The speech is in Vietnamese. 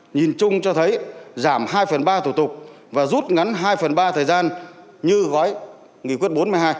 nhìn chung cho thấy giảm hai phần ba thủ tục và rút ngắn hai phần ba thời gian như gói nghị quyết bốn mươi hai